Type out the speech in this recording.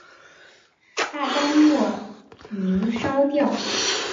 大灯莫名烧掉